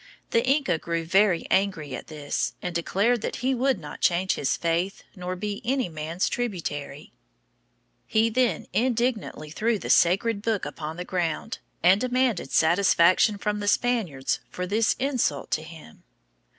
The Inca grew very angry at this, and declared that he would not change his faith nor be any man's tributary. He then indignantly threw the sacred book upon the ground, and demanded satisfaction from the Spaniards for this insult to him.